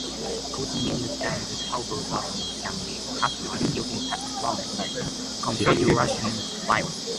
All the menus and toolbar buttons can be customized using text-format configuration files.